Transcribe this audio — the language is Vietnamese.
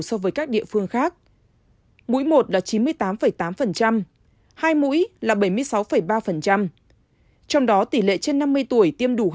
so với các địa phương khác mũi một là chín mươi tám tám hai mũi là bảy mươi sáu ba trong đó tỷ lệ trên năm mươi tuổi tiêm đủ